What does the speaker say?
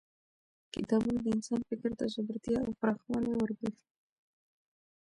کتابونه د انسان فکر ته ژورتیا او پراخوالی وربخښي